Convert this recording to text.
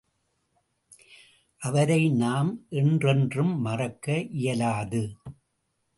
அவரை நாம் என்றென்றும் மறக்க இயலாது.